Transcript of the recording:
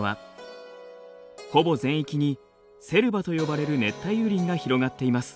ほぼ全域にセルバと呼ばれる熱帯雨林が広がっています。